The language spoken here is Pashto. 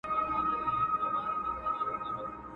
ږغ مي ټول کلی مالت سي اورېدلای٫